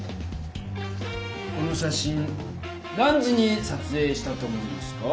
この写真何時にさつえいしたと思いますか？